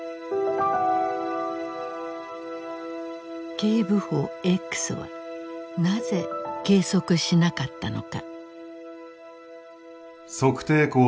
警部補Ｘはなぜ計測しなかったのか。